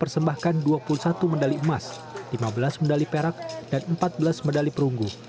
persembahkan dua puluh satu medali emas lima belas medali perak dan empat belas medali perunggu